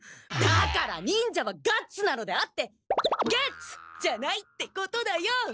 だから忍者はガッツなのであって「ゲッツ」じゃないってことだよ！